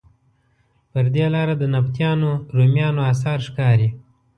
پر دې لاره د نبطیانو، رومیانو اثار ښکاري.